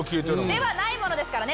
「ではない」ものですからね